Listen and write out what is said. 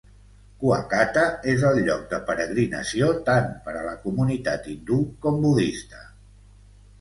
Kuakata és el lloc de peregrinació tant per a la comunitat hindú com budista.